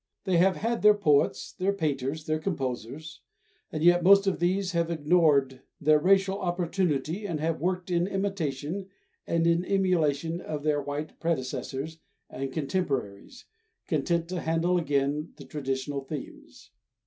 They have had their poets, their painters, their composers, and yet most of these have ignored their racial opportunity and have worked in imitation and in emulation of their white predecessors and contemporaries, content to handle again the traditional themes.